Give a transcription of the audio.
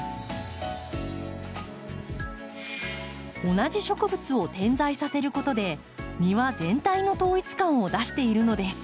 同じ植物を点在させることで庭全体の統一感を出しているのです。